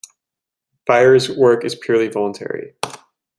Firer's work is purely voluntary.